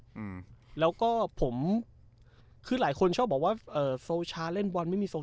อืมแล้วก็ผมคือหลายคนชอบบอกว่าเอ่อโซชาเล่นบอลไม่มีโซ